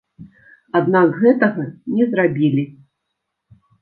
Аднак гэтага не зрабілі.